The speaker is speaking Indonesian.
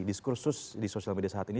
diskursus di sosial media saat ini